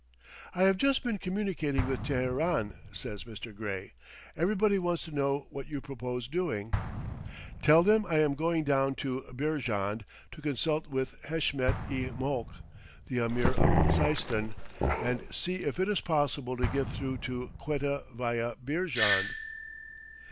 "I have just been communicating with Teheran," says Mr. Gray. "Everybody wants to know what you propose doing." "Tell them I am going down to Beerjand to consult with Heshmet i Molk, the Ameer of Seistan, and see if it is possible to get through to Quetta via Beerjand."